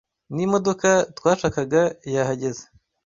Nimodoka twashakaga yahageze.